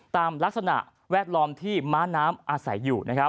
ตามลักษณะแวดล้อมที่ม้าน้ำอาศัยอยู่นะครับ